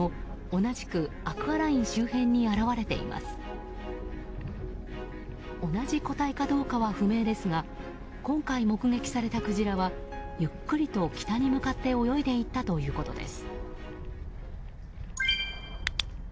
同じ個体かどうかは不明ですが今回目撃されたクジラはゆっくりと、北に向かって泳いで行ったということです。